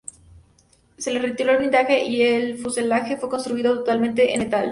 Se le retiró el blindaje y el fuselaje fue construido totalmente en metal.